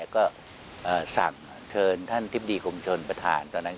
ก็สั่งเชิญท่านทิบดีคุมชนประธานตอนนั้น